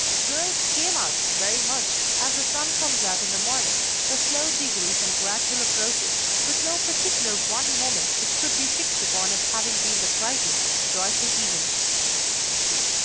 Girls "came out" very much, as the sun comes out in the morning, by slow degrees and gradual approaches, with no particular one moment which could be fixed upon as having been the crisis of the joyful event.